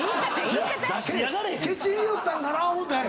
ケチりよったんかな思うたんや。